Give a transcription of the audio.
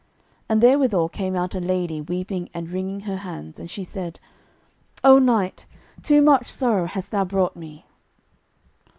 And therewithal came out a lady weeping and wringing her hands, and she said: "Oh, knight, too much sorrow hast thou brought me."